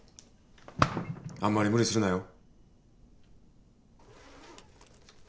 あんまり無理するなよ。